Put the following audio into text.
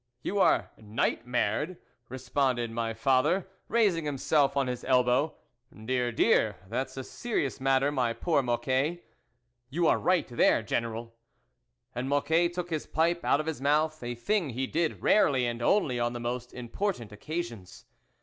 "You are nightmared?" responded my father, raising himself on his elbow. " Dear, dear, that's a serious matter, my poor Mocquet." " You are right there, General." And Mocquet took his pipe out of his mouth, a thing he did rarely, and only on the most important occasions.